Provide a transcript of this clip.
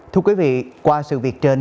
thưa quý vị qua sự việc trên